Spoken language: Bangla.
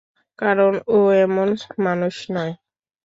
কারণ, ও এমন মানুষ নয়।